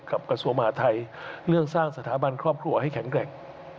กับกระทรวงศาสนมหาธรรย์ไทยเรื่องสร้างสถาบันครอบครัวให้แข็งแกร่ง